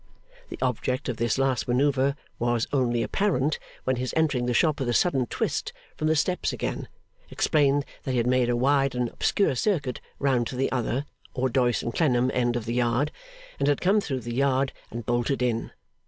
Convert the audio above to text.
The object of this last manoeuvre was only apparent, when his entering the shop with a sudden twist, from the steps again, explained that he had made a wide and obscure circuit round to the other, or Doyce and Clennam, end of the Yard, and had come through the Yard and bolted in.